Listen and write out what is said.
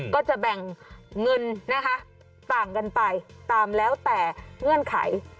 ก็จะแบ่งเงินนะคะต่างกันไปตามแล้วแต่เงื่อนไข